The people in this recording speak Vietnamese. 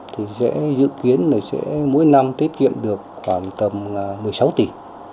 thì sẽ dự kiến là sẽ mỗi năm tiết kiệm được khoảng tầm một mươi sáu tỷ